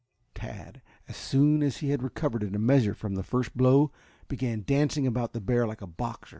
Tad, as soon as he had recovered in a measure from the first blow, began dancing about the beast like a boxer.